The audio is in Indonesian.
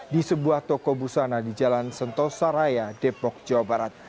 di sebuah toko busana di jalan sentosa raya depok jawa barat